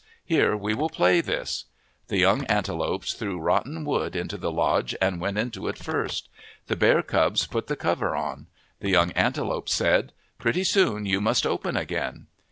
Here we will play this." The young antelopes threw rotten wood into the lodge, and went into it first. The bear cubs put the cover on. The young antelopes said, " Pretty soon you must open again."